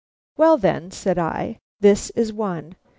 "Well, then," said I, "this is one.